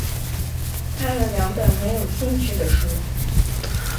看了两本很有兴趣的书